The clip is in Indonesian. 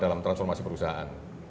dalam transformasi perusahaan